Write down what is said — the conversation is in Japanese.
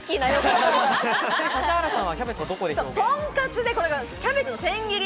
とんかつでこれがキャベツの千切り。